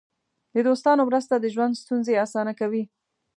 د دوستانو مرسته د ژوند ستونزې اسانه کوي.